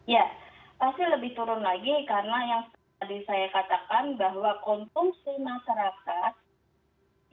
ya pasti lebih turun lagi karena yang tadi saya katakan bahwa konsumsi masyarakat